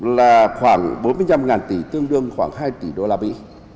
là khoảng bốn mươi năm tỷ tương đương khoảng hai tỷ đô la mỹ